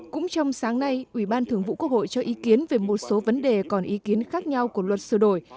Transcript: cũng trong sáng nay ủy ban thường vụ quốc hội cho ý kiến về một số vấn đề còn ý kiến khác nhau của luật sửa đổi